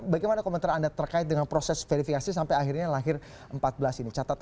bagaimana komentar anda terkait dengan proses verifikasi sampai akhirnya lahir empat belas ini